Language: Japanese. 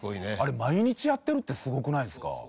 あれ毎日やってるってすごくないですか？